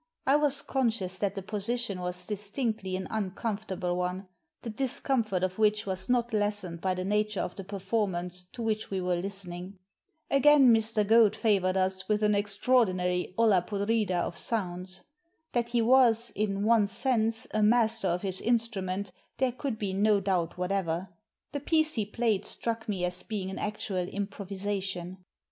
I was con scious that the position was distinctly an uncomfort able one, the discomfort of which was not lessened by the nature of the performance to which we were listening. Again, Mr. Goad favoured us with an extraordinary oUa podrida of sounds. That he was, in one sense, a master of his instrument there could be no doubt whatever. The piece he played struck me as being an actual improvisation.